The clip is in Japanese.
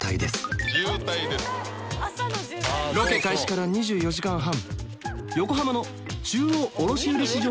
ロケ開始から２４時間半